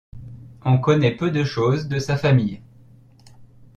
On connait peu de chose de sa famille.